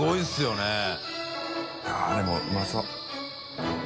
あっでもうまそう。